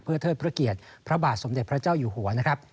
เทิดพระเกียรติพระบาทสมเด็จพระเจ้าอยู่หัวนะครับ